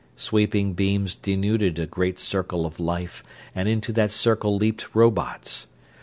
Sweeping beams denuded a great circle of life, and into that circle leaped robots.